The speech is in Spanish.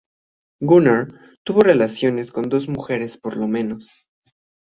Gunnar tuvo relaciones con dos mujeres por lo menos.